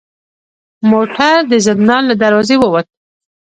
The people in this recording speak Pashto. موټر د زندان له دروازې و وت.